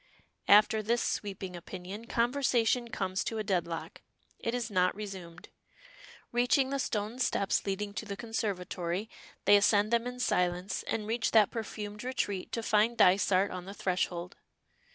After this sweeping opinion, conversation comes to a deadlock. It is not resumed. Reaching the stone steps leading to the conservatory, they ascend them in silence, and reach that perfumed retreat to find Dysart on the threshold.